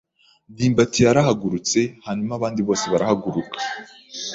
ndimbati yarahagurutse hanyuma abandi bose barahaguruka.